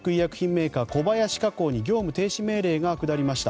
メーカー小林化工に業務停止命令が下りました。